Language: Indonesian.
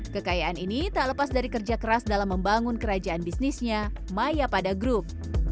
kekayaan ini tak lepas dari kerja keras dalam membangun kerajaan bisnisnya maya pada group